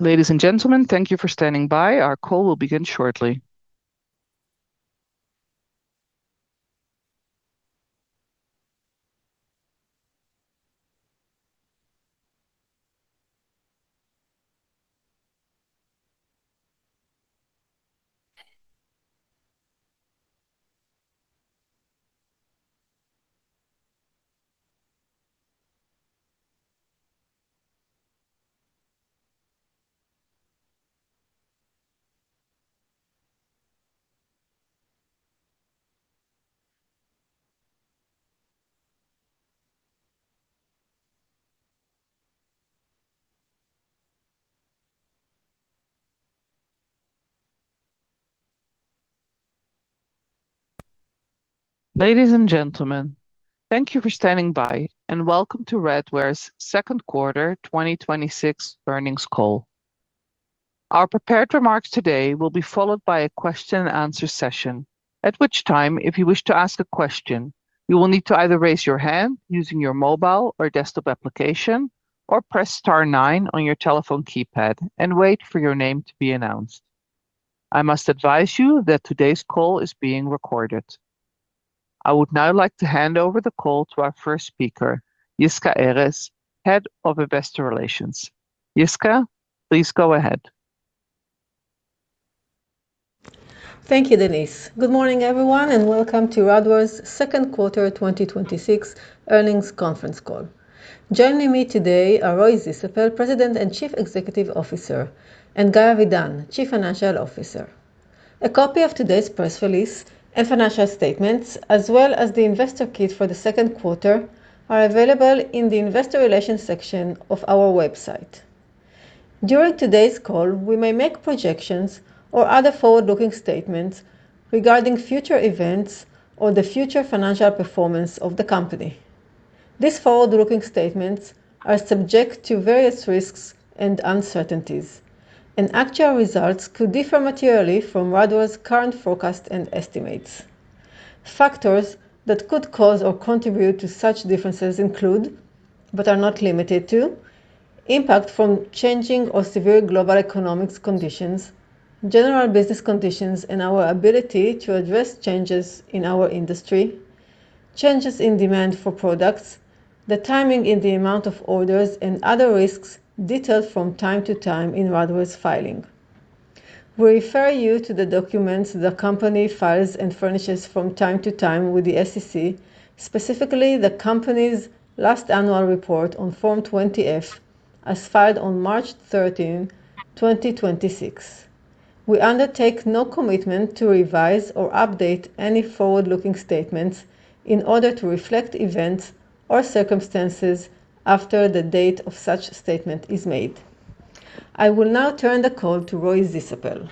Ladies and gentlemen, thank you for standing by. Our call will begin shortly. Ladies and gentlemen, thank you for standing by, and welcome to Radware's second quarter 2026 earnings call. Our prepared remarks today will be followed by a question-and-answer session, at which time, if you wish to ask a question, you will need to either raise your hand using your mobile or desktop application or press star nine on your telephone keypad and wait for your name to be announced. I must advise you that today's call is being recorded. I would now like to hand over the call to our first speaker, Yisca Erez, Head of Investor Relations. Yisca, please go ahead. Thank you, Denise. Good morning, everyone, and welcome to Radware's second quarter 2026 earnings conference call. Joining me today are Roy Zisapel, President and Chief Executive Officer, and Guy Avidan, Chief Financial Officer. A copy of today's press release and financial statements, as well as the investor kit for the second quarter, are available in the investor relations section of our website. During today's call, we may make projections or other forward-looking statements regarding future events or the future financial performance of the company. These forward-looking statements are subject to various risks and uncertainties, and actual results could differ materially from Radware's current forecast and estimates. Factors that could cause or contribute to such differences include, but are not limited to, impact from changing or severe global economics conditions, general business conditions, and our ability to address changes in our industry, changes in demand for products, the timing in the amount of orders, and other risks detailed from time to time in Radware's filing. We refer you to the documents the company files and furnishes from time to time with the SEC, specifically the company's last Annual Report on Form 20-F, as filed on March 13, 2026. We undertake no commitment to revise or update any forward-looking statements in order to reflect events or circumstances after the date of such statement is made. I will now turn the call to Roy Zisapel.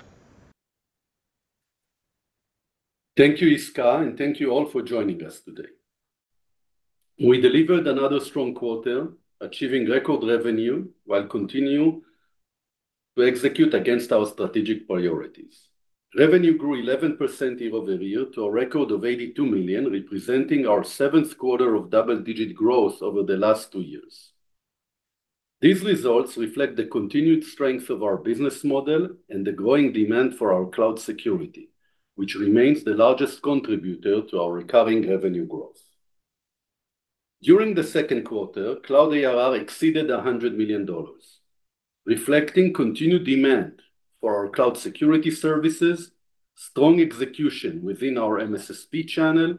Thank you, Yisca, and thank you all for joining us today. We delivered another strong quarter, achieving record revenue while continue to execute against our strategic priorities. Revenue grew 11% year-over-year to a record of $82 million, representing our seventh quarter of double-digit growth over the last two years. These results reflect the continued strength of our business model and the growing demand for our cloud security, which remains the largest contributor to our recurring revenue growth. During the second quarter, cloud ARR exceeded $100 million, reflecting continued demand for our cloud security services, strong execution within our MSSP channel,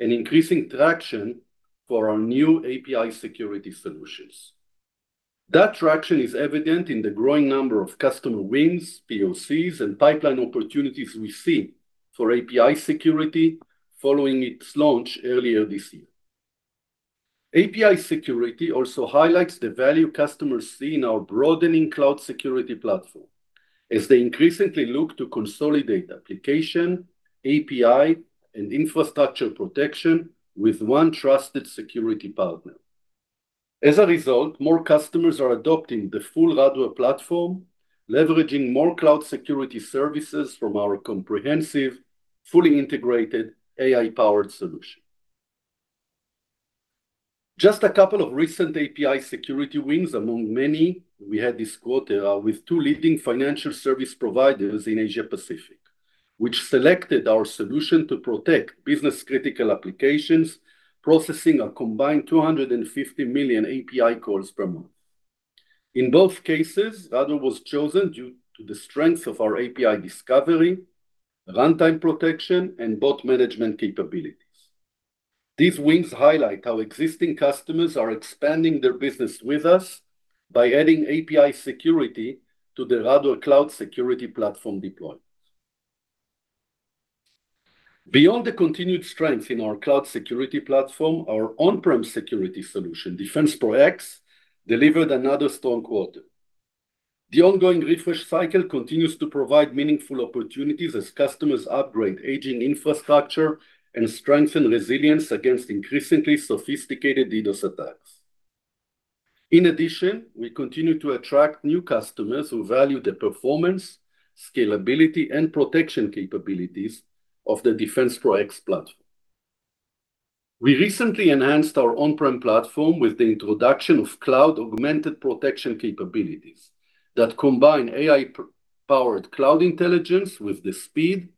and increasing traction for our new API security solutions. That traction is evident in the growing number of customer wins, PoCs, and pipeline opportunities we see for API security following its launch earlier this year. API security also highlights the value customers see in our broadening cloud security platform as they increasingly look to consolidate application, API, and infrastructure protection with one trusted security partner. As a result, more customers are adopting the full Radware platform, leveraging more cloud security services from our comprehensive, fully integrated AI-powered solution. Just a couple of recent API security wins among many we had this quarter are with two leading financial service providers in Asia-Pacific, which selected our solution to protect business-critical applications, processing a combined 250 million API calls per month. In both cases, Radware was chosen due to the strength of our API discovery, runtime protection, and bot management capabilities. These wins highlight how existing customers are expanding their business with us by adding API security to their Radware cloud security platform deployments. Beyond the continued strength in our cloud security platform, our on-prem security solution, DefensePro X, delivered another strong quarter. The ongoing refresh cycle continues to provide meaningful opportunities as customers upgrade aging infrastructure and strengthen resilience against increasingly sophisticated DDoS attacks. In addition, we continue to attract new customers who value the performance, scalability, and protection capabilities of the DefensePro X platform. We recently enhanced our on-prem platform with the introduction of cloud-augmented protection capabilities that combine AI-powered cloud intelligence with the speed,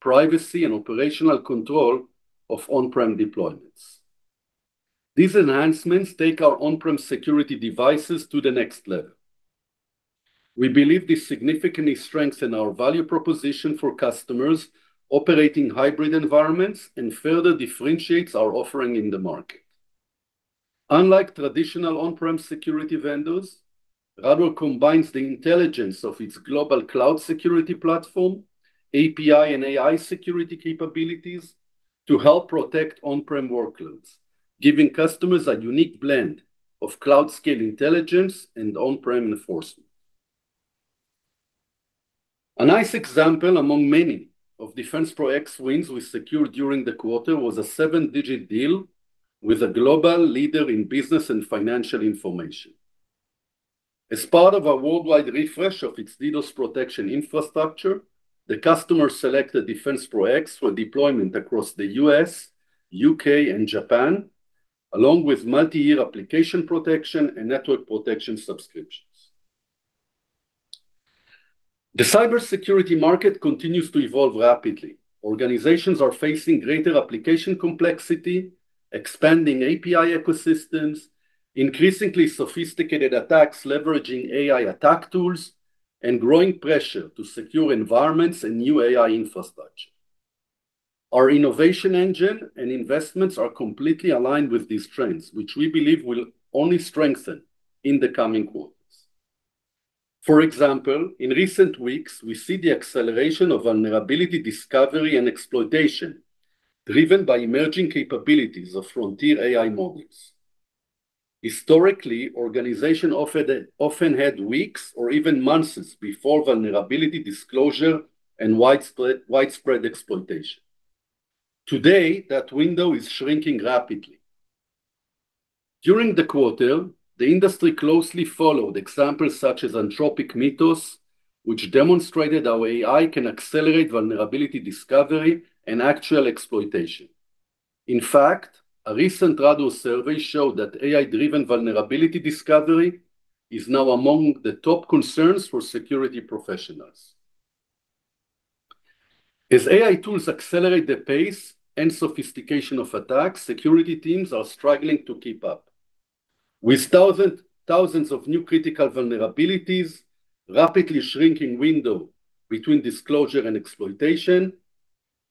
privacy, and operational control of on-prem deployments. These enhancements take our on-prem security devices to the next level. We believe this significantly strengthens our value proposition for customers operating hybrid environments and further differentiates our offering in the market. Unlike traditional on-prem security vendors, Radware combines the intelligence of its global cloud security platform, API and AI security capabilities to help protect on-prem workloads, giving customers a unique blend of cloud-scale intelligence and on-prem enforcement. A nice example among many of DefensePro X wins we secured during the quarter was a seven-digit deal with a global leader in business and financial information. As part of a worldwide refresh of its DDoS protection infrastructure, the customer selected DefensePro X for deployment across the U.S., U.K., and Japan, along with multi-year application protection and network protection subscriptions. The cybersecurity market continues to evolve rapidly. Organizations are facing greater application complexity, expanding API ecosystems, increasingly sophisticated attacks leveraging AI attack tools, and growing pressure to secure environments and new AI infrastructure. Our innovation engine and investments are completely aligned with these trends, which we believe will only strengthen in the coming quarters. For example, in recent weeks, we see the acceleration of vulnerability discovery and exploitation driven by emerging capabilities of frontier AI models. Historically, organizations often had weeks or even months before vulnerability disclosure and widespread exploitation. Today, that window is shrinking rapidly. During the quarter, the industry closely followed examples such as Anthropic Mythos, which demonstrated how AI can accelerate vulnerability discovery and actual exploitation. In fact, a recent Radware survey showed that AI-driven vulnerability discovery is now among the top concerns for security professionals. As AI tools accelerate the pace and sophistication of attacks, security teams are struggling to keep up. With thousands of new critical vulnerabilities, rapidly shrinking window between disclosure and exploitation,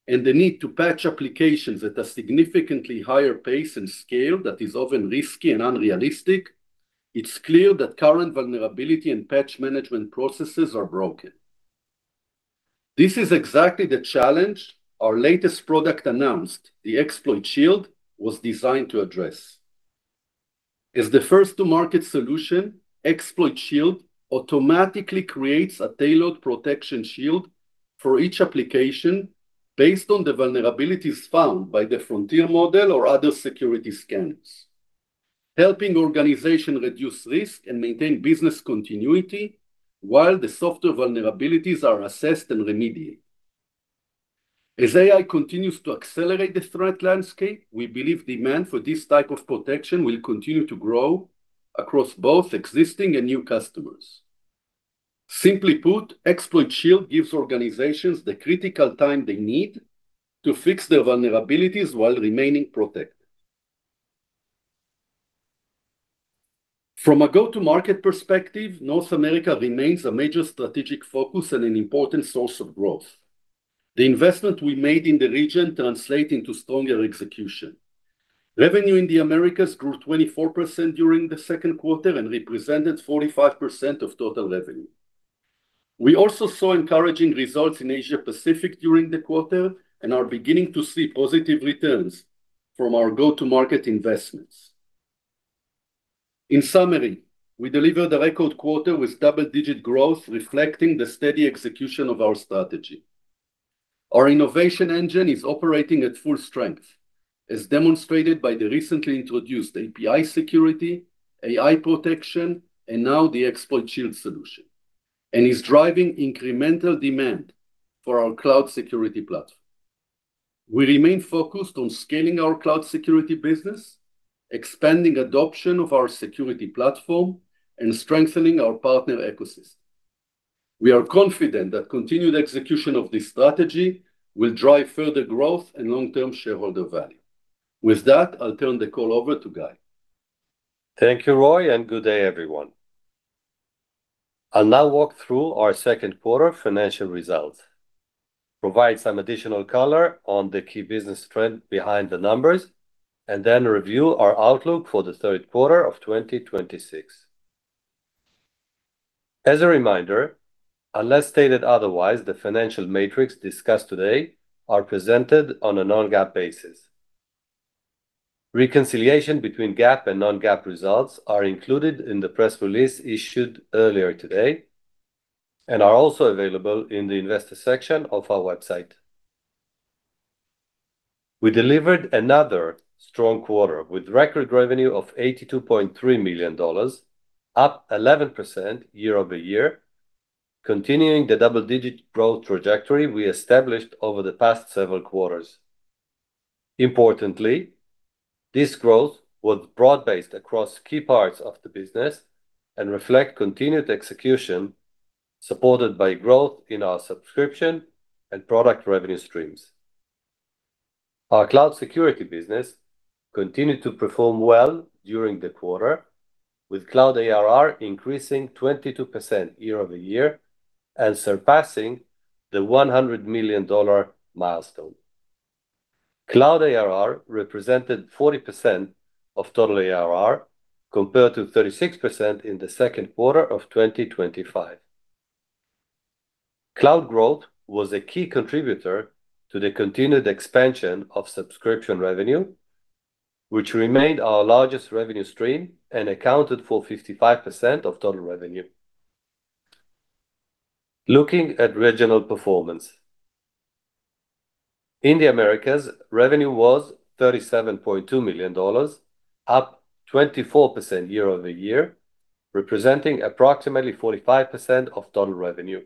and the need to patch applications at a significantly higher pace and scale that is often risky and unrealistic, it's clear that current vulnerability and patch management processes are broken. This is exactly the challenge our latest product announced, the Xploit Shield, was designed to address. As the first-to-market solution, Xploit Shield automatically creates a tailored protection shield for each application based on the vulnerabilities found by the frontier model or other security scanners, helping organizations reduce risk and maintain business continuity while the software vulnerabilities are assessed and remediated. As AI continues to accelerate the threat landscape, we believe demand for this type of protection will continue to grow across both existing and new customers. Simply put, Xploit Shield gives organizations the critical time they need to fix their vulnerabilities while remaining protected. From a go-to-market perspective, North America remains a major strategic focus and an important source of growth. The investment we made in the region translate into stronger execution. Revenue in the Americas grew 24% during the second quarter and represented 45% of total revenue. We also saw encouraging results in Asia-Pacific during the quarter and are beginning to see positive returns from our go-to-market investments. In summary, we delivered a record quarter with double-digit growth reflecting the steady execution of our strategy. Our innovation engine is operating at full strength, as demonstrated by the recently introduced API Security, AI Protect, and now the Xploit Shield solution, and is driving incremental demand for our cloud security platform. We remain focused on scaling our cloud security business, expanding adoption of our security platform, and strengthening our partner ecosystem. We are confident that continued execution of this strategy will drive further growth and long-term shareholder value. With that, I'll turn the call over to Guy. Thank you, Roy, and good day everyone. I'll now walk through our second quarter financial results, provide some additional color on the key business trends behind the numbers, and then review our outlook for the third quarter of 2026. As a reminder, unless stated otherwise, the financial metrics discussed today are presented on a non-GAAP basis. Reconciliation between GAAP and non-GAAP results are included in the press release issued earlier today and are also available in the investor section of our website. We delivered another strong quarter with record revenue of $82.3 million, up 11% year-over-year, continuing the double-digit growth trajectory we established over the past several quarters. Importantly, this growth was broad-based across key parts of the business and reflect continued execution supported by growth in our subscription and product revenue streams. Our cloud security business continued to perform well during the quarter, with cloud ARR increasing 22% year-over-year and surpassing the $100 million milestone. Cloud ARR represented 40% of total ARR, compared to 36% in the second quarter of 2025. Cloud growth was a key contributor to the continued expansion of subscription revenue, which remained our largest revenue stream and accounted for 55% of total revenue. Looking at regional performance. In the Americas, revenue was $37.2 million, up 24% year-over-year, representing approximately 45% of total revenue.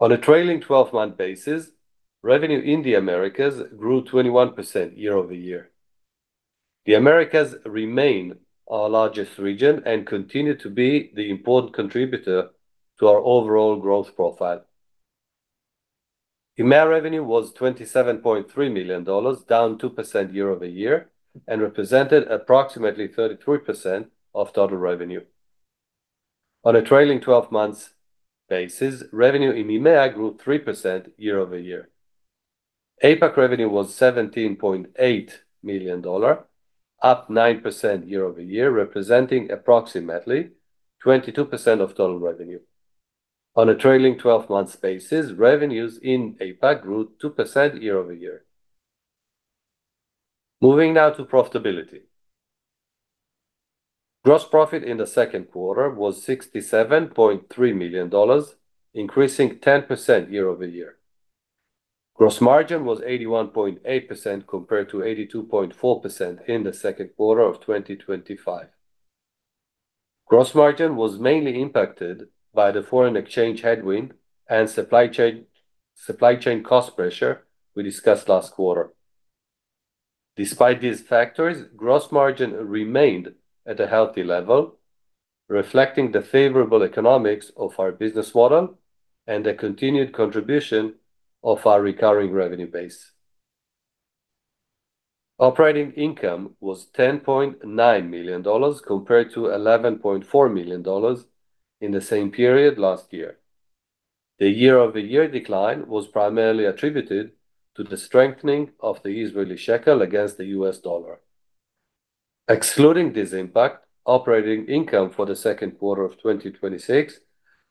On a trailing 12-month basis, revenue in the Americas grew 21% year-over-year. The Americas remain our largest region and continue to be the important contributor to our overall growth profile. EMEA revenue was $27.3 million, down 2% year-over-year and represented approximately 33% of total revenue. On a trailing 12-month basis, revenue in EMEA grew 3% year-over-year. APAC revenue was $17.8 million, up 9% year-over-year, representing approximately 22% of total revenue. On a trailing 12-month basis, revenues in APAC grew 2% year-over-year. Moving now to profitability. Gross profit in the second quarter was $67.3 million, increasing 10% year-over-year. Gross margin was 81.8% compared to 82.4% in the second quarter of 2025. Gross margin was mainly impacted by the foreign exchange headwind and supply chain cost pressure we discussed last quarter. Despite these factors, gross margin remained at a healthy level, reflecting the favorable economics of our business model and a continued contribution of our recurring revenue base. Operating income was $10.9 million compared to $11.4 million in the same period last year. The year-over-year decline was primarily attributed to the strengthening of the Israeli shekel against the U.S. dollar. Excluding this impact, operating income for the second quarter of 2026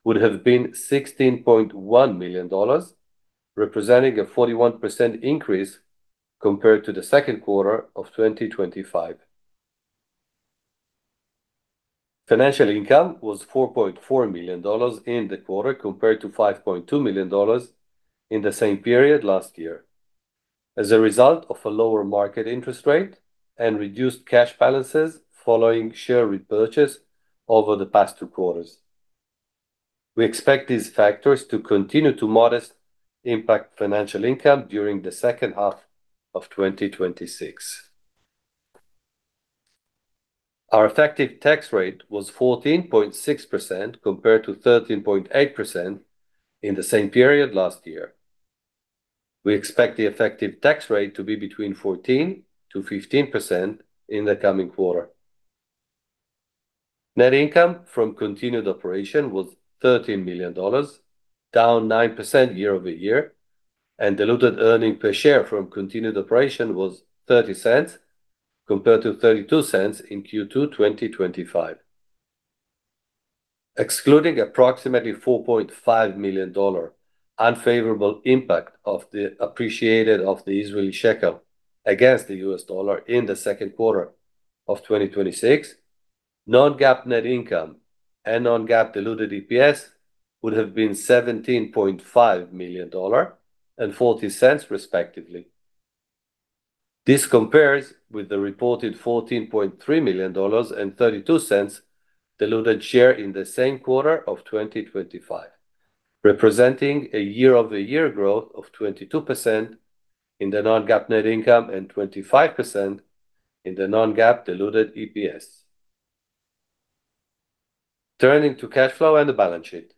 would have been $16.1 million, representing a 41% increase compared to the second quarter of 2025. Financial income was $4.4 million in the quarter, compared to $5.2 million in the same period last year, as a result of a lower market interest rate and reduced cash balances following share repurchase over the past two quarters. We expect these factors to continue to modest impact financial income during the second half of 2026. Our effective tax rate was 14.6% compared to 13.8% in the same period last year. We expect the effective tax rate to be between 14%-15% in the coming quarter. Net income from continued operation was $13 million, down 9% year-over-year, and diluted earnings per share from continued operation was $0.30 compared to $0.32 in Q2 2025. Excluding approximately $4.5 million unfavorable impact of the appreciation of the Israeli shekel against the U.S. dollar in the second quarter of 2026, non-GAAP net income and non-GAAP diluted EPS would have been $17.5 million and $0.40 respectively. This compares with the reported $14.3 million and $0.32 diluted share in the same quarter of 2025, representing a year-over-year growth of 22% in the non-GAAP net income and 25% in the non-GAAP diluted EPS. Turning to cash flow and the balance sheet.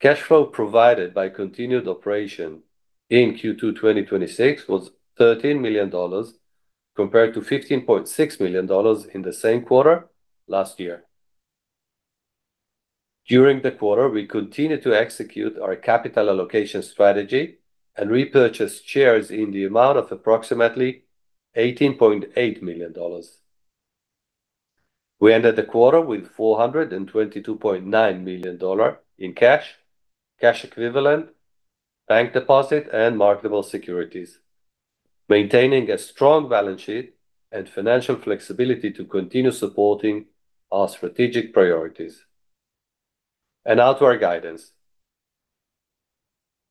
Cash flow provided by continued operation in Q2 2026 was $13 million, compared to $15.6 million in the same quarter last year. During the quarter, we continued to execute our capital allocation strategy and repurchase shares in the amount of approximately $18.8 million. We ended the quarter with $422.9 million in cash equivalent, bank deposit, and marketable securities, maintaining a strong balance sheet and financial flexibility to continue supporting our strategic priorities. Now to our guidance.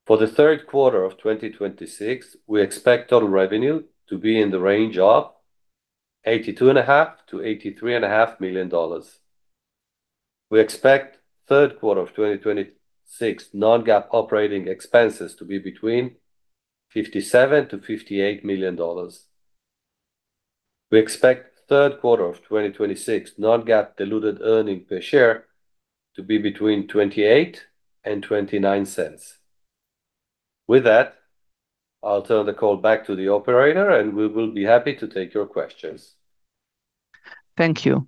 For the third quarter of 2026, we expect total revenue to be in the range of $82.5 million-$83.5 million. We expect third quarter of 2026 non-GAAP operating expenses to be between $57 million-$58 million. We expect third quarter of 2026 non-GAAP diluted earnings per share to be between $0.28 and $0.29. With that, I'll turn the call back to the operator, and we will be happy to take your questions. Thank you.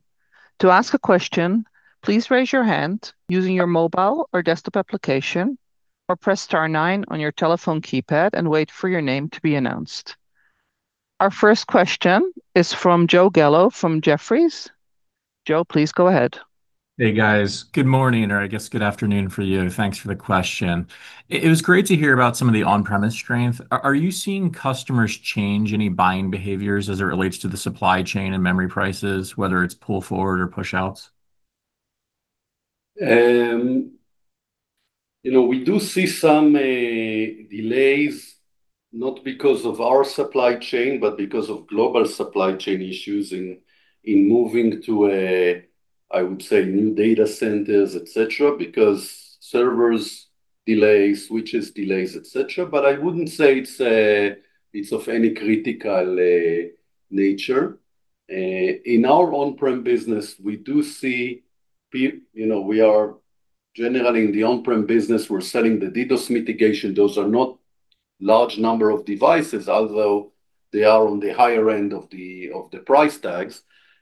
To ask a question, please raise your hand using your mobile or desktop application, or press star nine on your telephone keypad and wait for your name to be announced. Our first question is from Joe Gallo from Jefferies. Joe, please go ahead. Hey, guys. Good morning, or I guess good afternoon for you. Thanks for the question. It was great to hear about some of the on-premise strength. Are you seeing customers change any buying behaviors as it relates to the supply chain and memory prices, whether it's pull forward or push outs? We do see some delays, not because of our supply chain, but because of global supply chain issues in moving to a, I would say, new data centers, et cetera, because servers delays, switches delays, et cetera. I wouldn't say it's of any critical nature. In our on-prem business, we are generally in the on-prem business, we're selling the DDoS mitigation. Those are not large number of devices, although they are on the higher end of the price tags.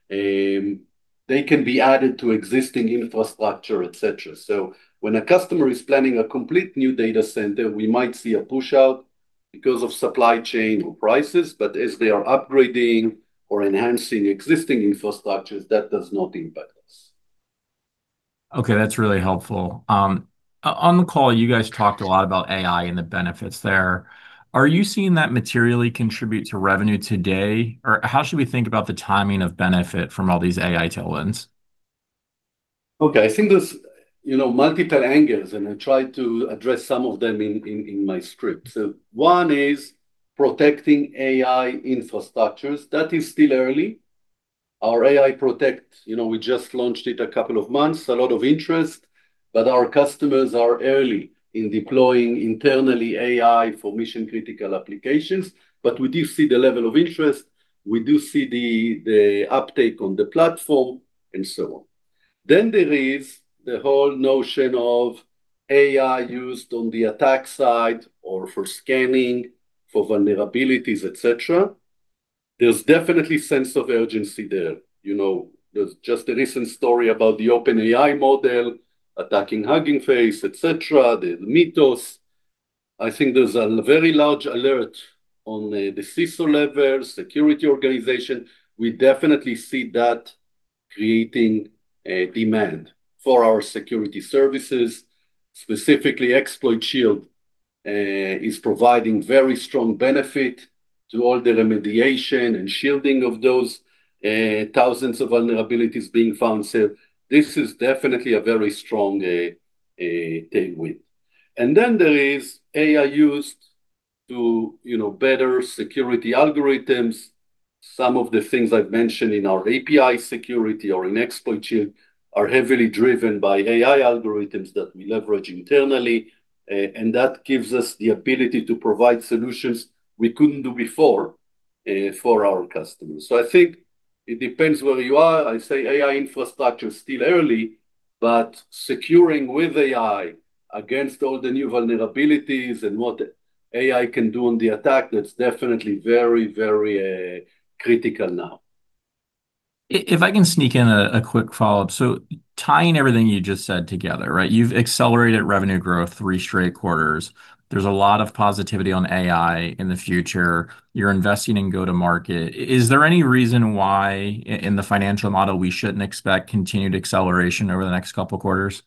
They can be added to existing infrastructure, et cetera. When a customer is planning a complete new data center, we might see a push out because of supply chain or prices, but as they are upgrading or enhancing existing infrastructures, that does not impact us. Okay, that's really helpful. On the call, you guys talked a lot about AI and the benefits there. Are you seeing that materially contribute to revenue today? How should we think about the timing of benefit from all these AI tailwinds? Okay. I think there's multiple angles, and I tried to address some of them in my script. One is protecting AI infrastructures. That is still early. Our AI Protect, we just launched it a couple of months, a lot of interest, but our customers are early in deploying internally AI for mission critical applications. We do see the level of interest, we do see the uptake on the platform and so on. There is the whole notion of AI used on the attack side or for scanning for vulnerabilities, et cetera. There's definitely sense of urgency there. There's just a recent story about the OpenAI model attacking Hugging Face, et cetera, the Mythos. I think there's a very large alert on the CISO level, security organization. We definitely see that creating a demand for our security services. Specifically, Xploit Shield is providing very strong benefit to all the remediation and shielding of those thousands of vulnerabilities being found. This is definitely a very strong tailwind. There is AI used to better security algorithms. Some of the things I've mentioned in our API security or in Xploit Shield are heavily driven by AI algorithms that we leverage internally, and that gives us the ability to provide solutions we couldn't do before for our customers. I think it depends where you are. I say AI infrastructure is still early, but securing with AI against all the new vulnerabilities and what AI can do on the attack, that's definitely very critical now. If I can sneak in a quick follow-up. Tying everything you just said together, right? You've accelerated revenue growth three straight quarters. There's a lot of positivity on AI in the future. You're investing in go to market. Is there any reason why in the financial model we shouldn't expect continued acceleration over the next couple quarters?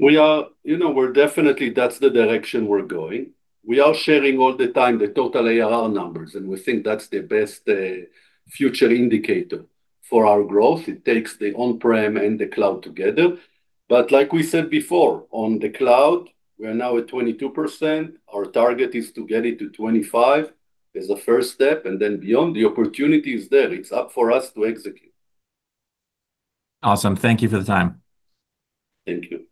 We're definitely, that's the direction we're going. We are sharing all the time the total ARR numbers, we think that's the best future indicator for our growth. It takes the on-prem and the cloud together. Like we said before, on the cloud, we are now at 22%. Our target is to get it to 25% as a first step, then beyond. The opportunity is there. It's up for us to execute. Awesome. Thank you for the time. Thank you.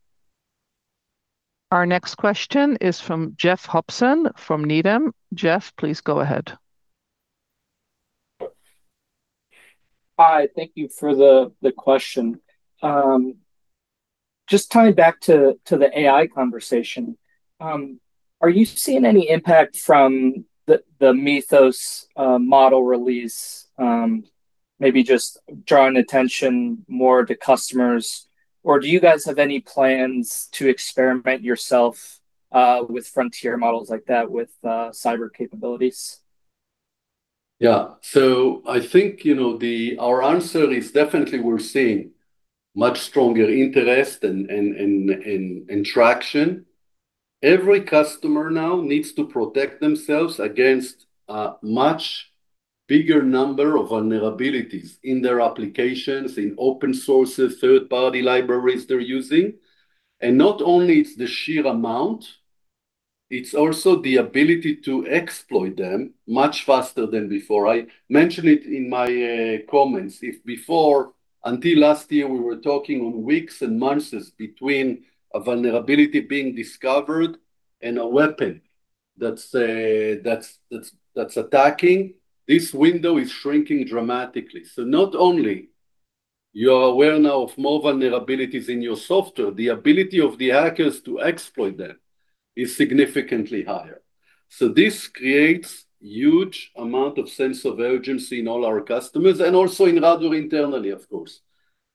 Our next question is from Jeff Hopson from Needham. Jeff, please go ahead. Hi, thank you for the question. Just tying back to the AI conversation, are you seeing any impact from the Mythos model release, maybe just drawing attention more to customers? Or do you guys have any plans to experiment yourself with frontier models like that with cyber capabilities? Yeah. I think our answer is definitely we're seeing much stronger interest and traction. Every customer now needs to protect themselves against a much bigger number of vulnerabilities in their applications, in open sources, third-party libraries they're using. Not only it's the sheer amount, it's also the ability to exploit them much faster than before. I mentioned it in my comments. If before, until last year, we were talking on weeks and months between a vulnerability being discovered and a weapon that's attacking, this window is shrinking dramatically. Not only you're aware now of more vulnerabilities in your software, the ability of the hackers to exploit them is significantly higher. This creates huge amount of sense of urgency in all our customers and also in Radware internally, of course.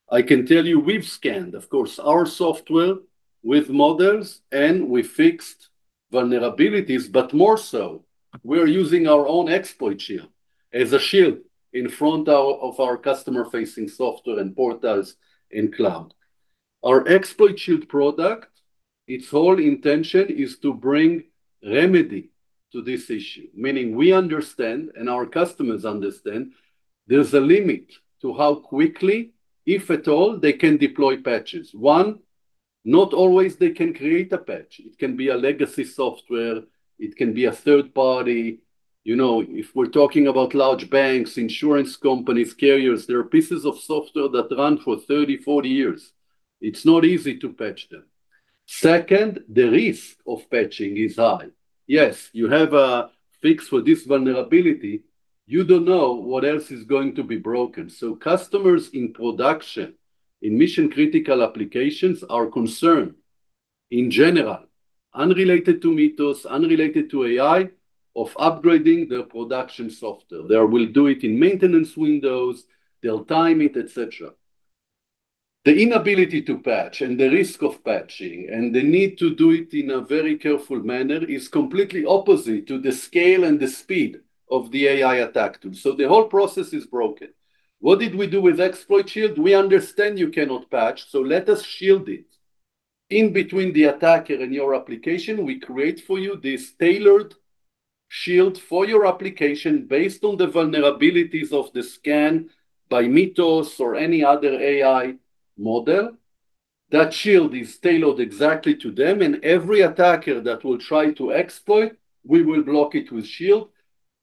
I can tell you we've scanned, of course, our software with models, and we fixed vulnerabilities, but more so, we're using our own Xploit Shield as a shield in front of our customer-facing software and portals in cloud. Our Xploit Shield product, its whole intention is to bring remedy to this issue, meaning we understand and our customers understand there's a limit to how quickly, if at all, they can deploy patches. One, not always they can create a patch. It can be a legacy software, it can be a third party. You know, if we're talking about large banks, insurance companies, carriers, there are pieces of software that run for 30, 40 years. It's not easy to patch them. Second, the risk of patching is high. Yes, you have a fix for this vulnerability. You don't know what else is going to be broken. Customers in production, in mission critical applications are concerned, in general, unrelated to Mythos, unrelated to AI, of upgrading their production software. They will do it in maintenance windows, they'll time it, et cetera. The inability to patch and the risk of patching and the need to do it in a very careful manner is completely opposite to the scale and the speed of the AI attack tool. The whole process is broken. What did we do with Xploit Shield? We understand you cannot patch, let us shield it. In between the attacker and your application, we create for you this tailored shield for your application based on the vulnerabilities of the scan by Mythos or any other AI model. That shield is tailored exactly to them, every attacker that will try to exploit, we will block it with shield.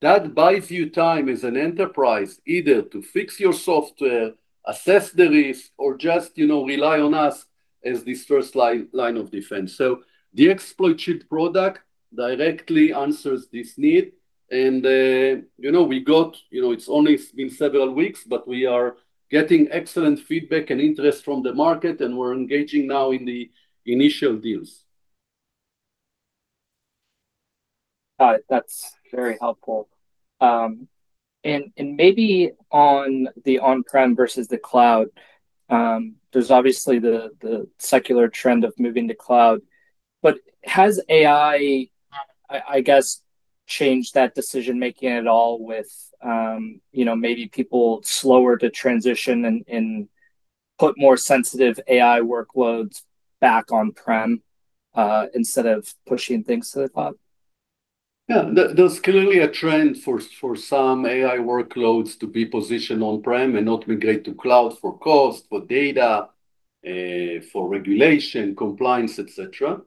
That buys you time as an enterprise, either to fix your software, assess the risk, or just rely on us as this first line of defense. The Xploit Shield product directly answers this need, it's only been several weeks, but we are getting excellent feedback and interest from the market, we're engaging now in the initial deals. That's very helpful. Maybe on the on-prem versus the cloud, there's obviously the secular trend of moving to cloud, but has AI, I guess, changed that decision-making at all with maybe people slower to transition and put more sensitive AI workloads back on-prem, instead of pushing things to the cloud? Yeah. There's clearly a trend for some AI workloads to be positioned on-prem and not migrate to cloud for cost, for data, for regulation, compliance, et cetera.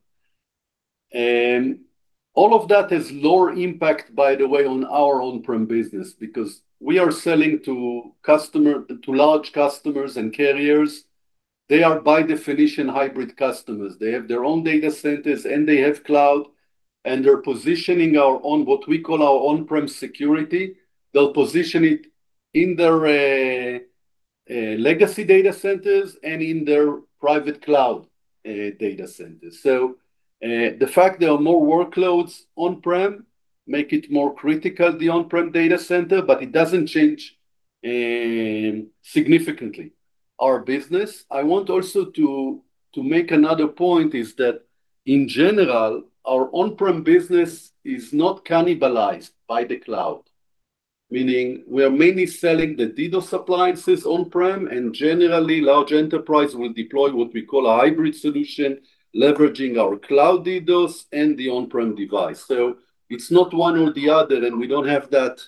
All of that has lower impact, by the way, on our on-prem business because we are selling to large customers and carriers. They are, by definition, hybrid customers. They have their own data centers, and they have cloud, and they're positioning what we call our on-prem security. They'll position it in their legacy data centers and in their private cloud data centers. The fact there are more workloads on-prem make it more critical, the on-prem data center, but it doesn't change significantly our business. I want also to make another point, is that in general, our on-prem business is not cannibalized by the cloud, meaning we are mainly selling the DDoS appliances on-prem. Generally, large enterprise will deploy what we call a hybrid solution, leveraging our cloud DDoS and the on-prem device. It's not one or the other, and we don't have that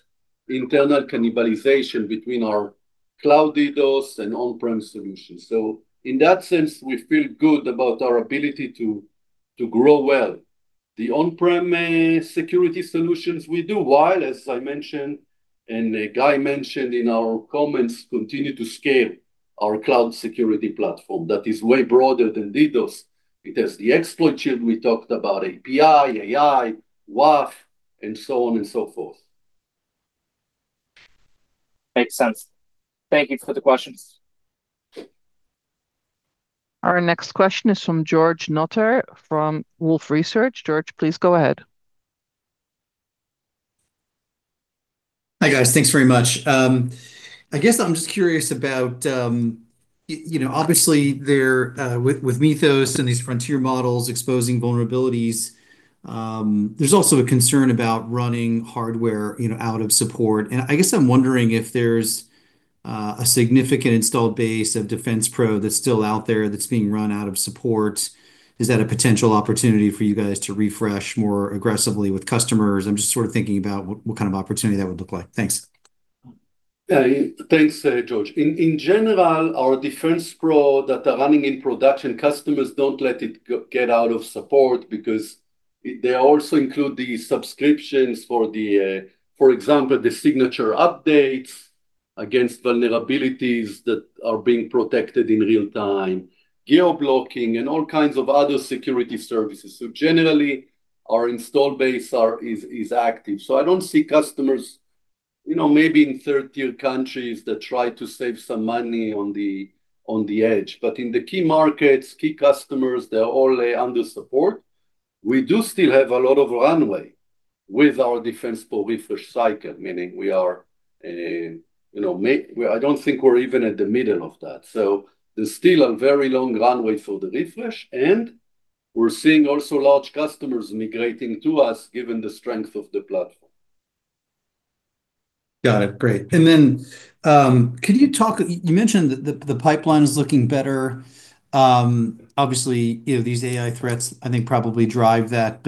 internal cannibalization between our cloud DDoS and on-prem solutions. In that sense, we feel good about our ability to grow well. The on-prem security solutions we do, while, as I mentioned, and Guy mentioned in our comments, continue to scale our cloud security platform that is way broader than DDoS. It has the Xploit Shield we talked about, API, AI, WAF, and so on and so forth. Makes sense. Thank you for the questions. Our next question is from George Notter from Wolfe Research. George, please go ahead. Hi, guys. Thanks very much. I guess I'm just curious about, obviously, with Mythos and these frontier models exposing vulnerabilities, there's also a concern about running hardware out of support. I guess I'm wondering if there's a significant installed base of DefensePro that's still out there that's being run out of support. Is that a potential opportunity for you guys to refresh more aggressively with customers? I'm just thinking about what kind of opportunity that would look like. Thanks. Yeah. Thanks, George. In general, our DefensePro that are running in production, customers don't let it get out of support because they also include the subscriptions, for example, the signature updates against vulnerabilities that are being protected in real time, geo-blocking, and all kinds of other security services. Generally, our install base is active. I don't see customers, maybe in third tier countries that try to save some money on the edge. In the key markets, key customers, they're all under support. We do still have a lot of runway with our DefensePro refresh cycle, meaning I don't think we're even at the middle of that. There's still a very long runway for the refresh, and we're seeing also large customers migrating to us given the strength of the platform. Got it. Great. Then you mentioned the pipeline is looking better. Obviously, these AI threats, I think, probably drive that,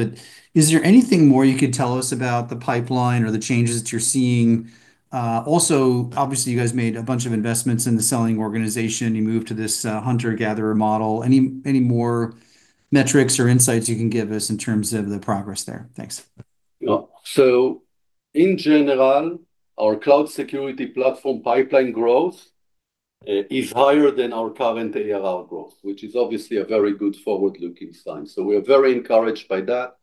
is there anything more you could tell us about the pipeline or the changes that you're seeing? Also, obviously, you guys made a bunch of investments in the selling organization. You moved to this hunter/gatherer model. Any more metrics or insights you can give us in terms of the progress there? Thanks. In general, our cloud security platform pipeline growth is higher than our current ARR growth, which is obviously a very good forward-looking sign. We are very encouraged by that.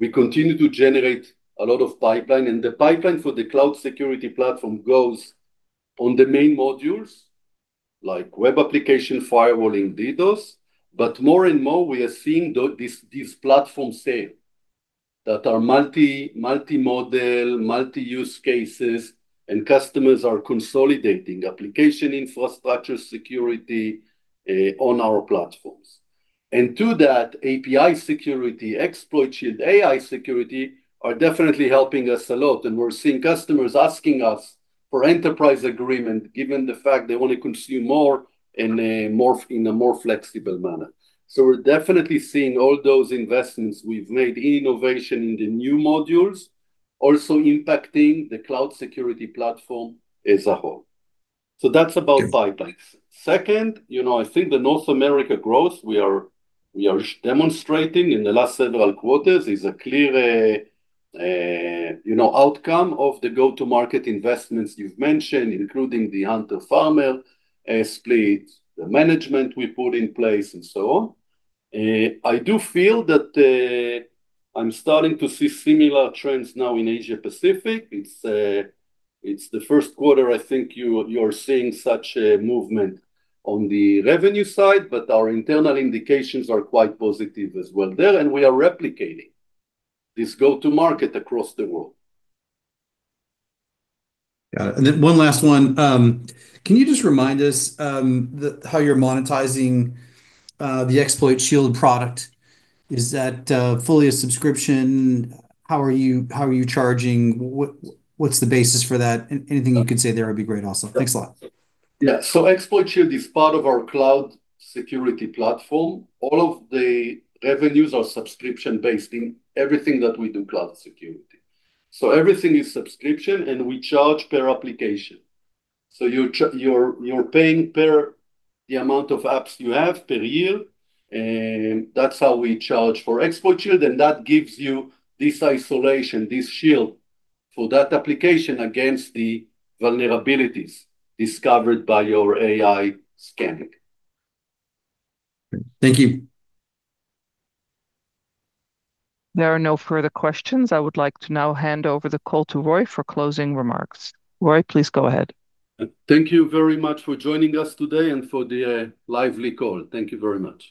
We continue to generate a lot of pipeline, and the pipeline for the cloud security platform goes on the main modules, like web application, firewalling, DDoS. More and more, we are seeing these platform sale that are multi-model, multi-use cases, and customers are consolidating application infrastructure security on our platforms. To that, API security, Xploit Shield, AI security are definitely helping us a lot, and we're seeing customers asking us for enterprise agreement, given the fact they want to consume more in a more flexible manner. We're definitely seeing all those investments we've made in innovation in the new modules, also impacting the cloud security platform as a whole. That's about pipelines. Second, I think the North America growth we are demonstrating in the last several quarters is a clear outcome of the go-to-market investments you've mentioned, including the hunter/farmer split, the management we put in place, and so on. I do feel that I'm starting to see similar trends now in Asia Pacific. It's the first quarter, I think, you're seeing such a movement on the revenue side, our internal indications are quite positive as well there, we are replicating this go-to-market across the world. Got it. Then one last one. Can you just remind us how you're monetizing the Xploit Shield product? Is that fully a subscription? How are you charging? What's the basis for that? Anything you could say there would be great also. Thanks a lot. Xploit Shield is part of our cloud security platform. All of the revenues are subscription-based in everything that we do cloud security. Everything is subscription, we charge per application. You're paying the amount of apps you have per year. That's how we charge for Xploit Shield, and that gives you this isolation, this shield for that application against the vulnerabilities discovered by your AI scanning. Thank you. There are no further questions. I would like to now hand over the call to Roy for closing remarks. Roy, please go ahead. Thank you very much for joining us today and for the lively call. Thank you very much.